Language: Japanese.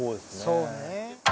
そうね。